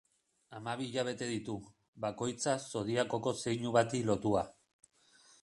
Hamabi hilabete ditu, bakoitza zodiakoko zeinu bati lotua.